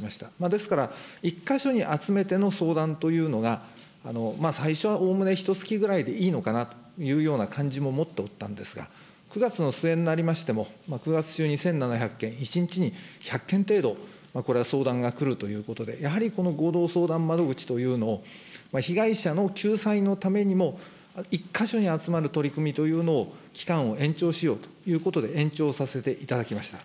ですから、１か所に集めての相談というのが、最初、おおむねひとつきぐらいでいいのかなというような感じを持っておったんですが、９月の末になりましても、９月中に１７００件、１日に１００件程度、これは相談が来るということで、やはりこの合同相談窓口というのを被害者の救済のためにも、１か所に集まる取り組みというのを、期間を延長しようということで延長させていただきました。